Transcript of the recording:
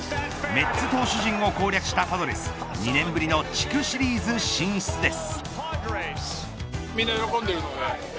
メッツ投手陣を攻略したパドレス２年ぶりの地区シリーズ進出です。